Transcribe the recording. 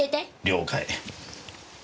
了解。